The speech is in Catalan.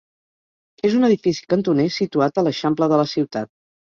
És un edifici cantoner situat a l'eixample de la ciutat.